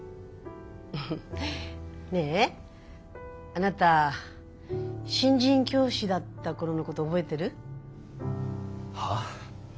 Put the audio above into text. フフッねえあなた新人教師だった頃のこと覚えてる？はあ？